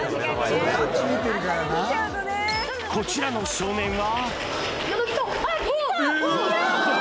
こちらの少年は。